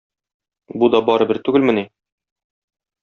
Бу да барыбер түгелмени?